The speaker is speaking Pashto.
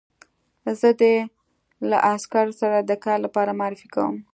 زه دې له عسکرو سره د کار لپاره معرفي کوم